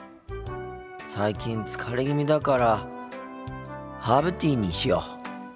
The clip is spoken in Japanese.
最近疲れ気味だからハーブティーにしよう。